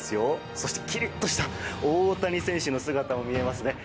そして、きりっとした大谷選手の姿も見えますね